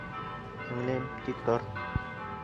Һеңлем, тик тор!..